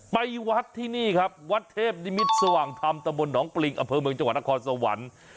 ไปวัดที่นี่ครับวัดเทพนิมิตรสว่างธรรมตะบนหนองปริงอำเภอเมืองจังหวัดนครสวรรค์